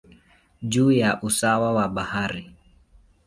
juu ya usawa wa bahari.